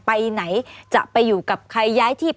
ไปไหนจะไปอยู่กับใคร